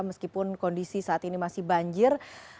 meskipun kondisi saat ini masih banjir